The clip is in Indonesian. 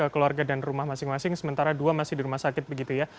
keluarga dan rumah masing masing sementara dua masih di rumah sakit begitu ya